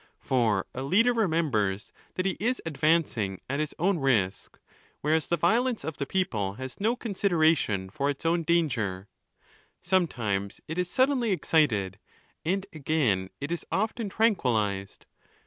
For a leader remembers that he is advancing at his own risk, whereas the: violence of the people has no consideration for its own danger ; sometimes it is suddenly excited, and again it is . often tranquillized.